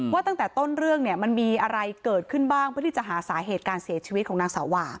ว่าตั้งแต่ต้นเรื่องเนี่ยมันมีอะไรเกิดขึ้นบ้างเพื่อที่จะหาสาเหตุการเสียชีวิตของนางสาวา